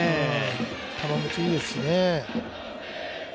球持ち、いいですよね。